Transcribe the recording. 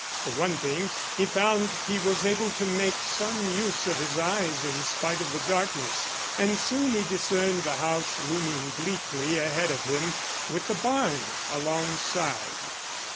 For one thing, he found he was able to make some use of his eyes in spite of the darkness, and soon he discerned the house looming bleakly ahead of him, with the barn alongside.